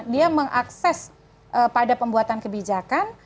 dia mengakses pada pembuatan kebijakan